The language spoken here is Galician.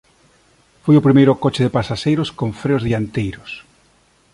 Foi o primeiro coche de pasaxeiros con freos dianteiros.